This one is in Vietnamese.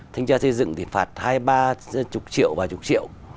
thanh tra xây dựng thì phạt hai ba chục triệu và chục triệu